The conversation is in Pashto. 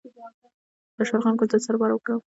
د شلغم ګل د څه لپاره وکاروم؟